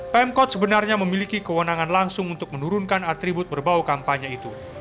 pemkot sebenarnya memiliki kewenangan langsung untuk menurunkan atribut berbau kampanye itu